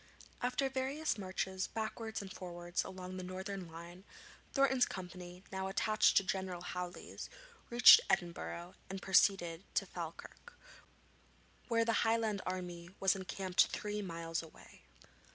After various marches backwards and forwards along the northern line, Thornton's company, now attached to General Hawley's, reached Edinburgh and proceeded to Falkirk, where the Highland army was encamped three miles away.